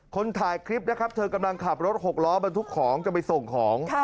คนถ่ายคลิปนะครับเธอกำลังขับรถหกล้อบรรทุกของจะไปส่งของ